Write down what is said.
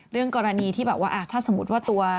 กรณีที่แบบว่าถ้าสมมุติว่าตัว